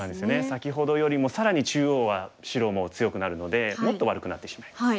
先ほどよりも更に中央は白もう強くなるのでもっと悪くなってしまいます。